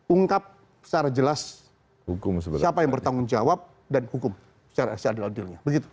ungkap secara jelas siapa yang bertanggung jawab dan hukum secara secara adilnya begitu